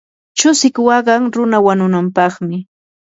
chusiq waqan runa wanunampaqmi.